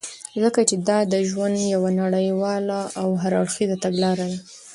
ځكه چې دادژوند يو نړيواله او هر اړخيزه تګلاره ده .